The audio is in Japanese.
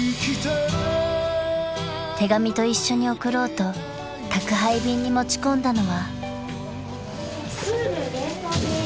［手紙と一緒に送ろうと宅配便に持ち込んだのは］